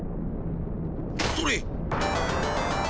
それ！